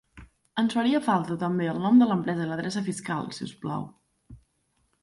Ens faria falta també el nom de l'empresa i l'adreça fiscal, si us plau.